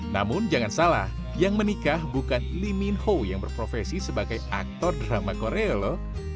namun jangan salah yang menikah bukan lee min ho yang berprofesi sebagai aktor drama korea lho